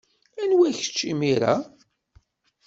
Anwa kečč, imir-a?